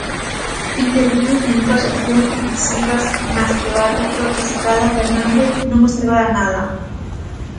Interviu en dúas accións, decisivas, nas que o árbitro Estrada Fernández, non observara nada.